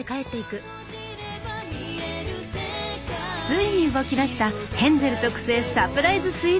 ついに動きだしたヘンゼル特製サプライズスイーツ作り。